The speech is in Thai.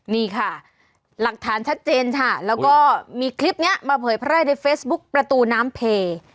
นี่ค่ะหลักฐานชัดเจนค่ะแล้วก็มีคลิปนี้มาเผยแพร่ในเฟซบุ๊กประตูน้ำเพ